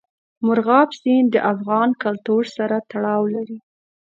مورغاب سیند د افغان کلتور سره تړاو لري.